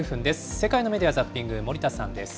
世界のメディア・ザッピング、森田さんです。